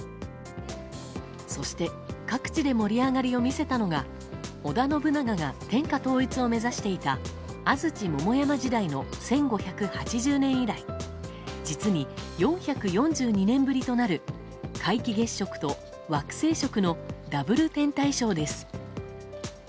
そして各地で盛り上がりを見せたのが織田信長が天下統一を目指していた安土桃山時代の１５８０年以来実に４４２年ぶりとなる皆既月食と惑星食のダブル天体ショーです。